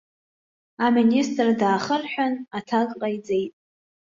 Аминистр даахырҳәан, аҭак ҟаиҵеит.